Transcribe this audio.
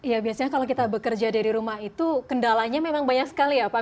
ya biasanya kalau kita bekerja dari rumah itu kendalanya memang banyak sekali ya pak